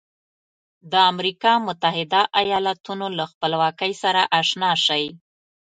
د امریکا متحده ایالتونو له خپلواکۍ سره آشنا شئ.